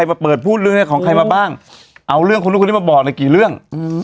มาเปิดพูดเรื่องนี้ของใครมาบ้างเอาเรื่องคนนู้นคนนี้มาบอกในกี่เรื่อง